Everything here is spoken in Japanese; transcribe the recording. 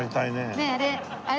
ねえあれ。